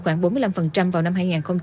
khoảng bốn mươi năm vào năm hai nghìn hai mươi